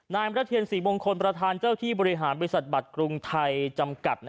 มรเทียนศรีมงคลประธานเจ้าที่บริหารบริษัทบัตรกรุงไทยจำกัด